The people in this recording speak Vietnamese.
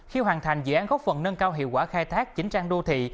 khi hoàn thành dự án góp phần nâng cao hiệu quả khai thác chính trang đô thị